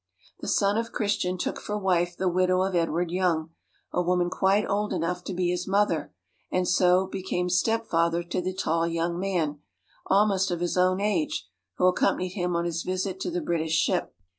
The son of Christian took for wife the widow of Edward Young, a woman quite old enough to be his mother, and so became step father to the tall yoimg man, almost of his own age, who accompanied him on his visit to the British ship.